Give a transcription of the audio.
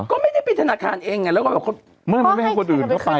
ก็ไม่ได้ปิดธนาคารเองไงแล้วก็แบบไม่ให้คนอื่นเข้าไป